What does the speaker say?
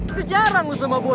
udah jarang loh sama gue